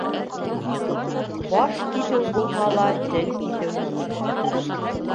Баш киҫеү булһа ла, тел киҫеү юҡ.